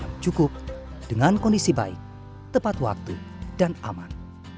yang cukup dengan kondisi baik tepat waktu dan aman